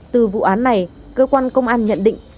từ vụ án này cơ quan công an nhận định